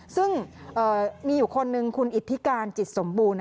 ซึ่งมีอยู่คนนึงคุณอิทธิการจิตสมบูรณ์